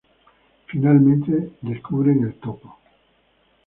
Finalmente descubren el topo.